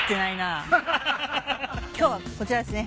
今日はこちらですね。